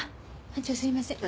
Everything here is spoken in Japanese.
班長すいません。